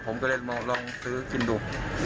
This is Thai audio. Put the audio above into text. ผมก็เลยลองซื้อกินดู